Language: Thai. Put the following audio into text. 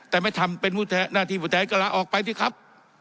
แต่ไม่ทำเป็นหน้าที่ผู้แทนก็ลาออกไปสิครับ